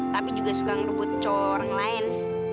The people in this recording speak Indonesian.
tapi juga suka ngerebut cowok orang lain